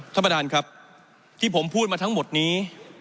ท่านประธานครับที่ผมพูดมาทั้งหมดนี้